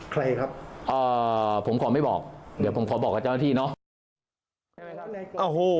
ใครครับผมขอไม่บอกเดี๋ยวผมขอบอกกับเจ้าหน้าที่เนาะ